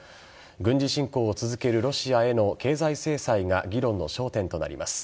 軍事侵攻を続けるロシアへの経済制裁が議論の焦点となります。